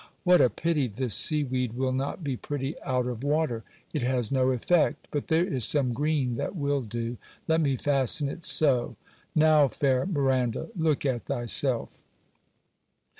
What a pity this seaweed will not be pretty out of water; it has no effect; but there is some green that will do,—let me fasten it so. Now, fair Miranda, look at thyself.